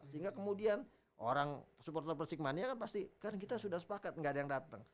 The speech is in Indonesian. sehingga kemudian orang supporter persikmania kan pasti kan kita sudah sepakat nggak ada yang datang